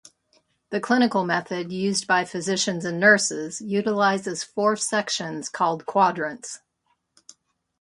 The clinical method, used by physicians and nurses, utilizes four sections called quadrants.